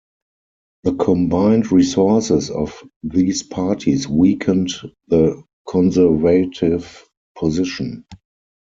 The combined resources of these parties weakened the Conservative position.